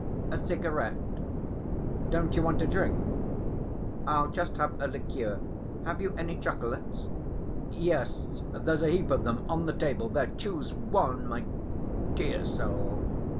"A cigarette." "Don't you want a drink?" "I'll just have a liqueur.... Have you any chocolates?" "Yes, there's a heap of them on the table there. Choose one, my dear soul!"